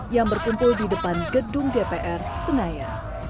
yang berkumpul di depan gedung dpr senaya